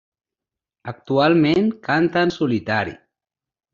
Actualment canta en solitari.